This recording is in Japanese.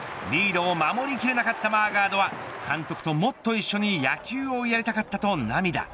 リードを守りきれなかったマーガードは監督ともっと一緒に野球をやりたかったと涙。